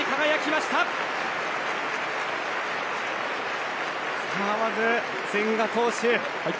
まず千賀投手